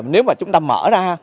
nếu mà chúng ta mở ra